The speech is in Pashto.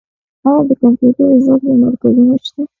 آیا د کمپیوټر زده کړې مرکزونه شته؟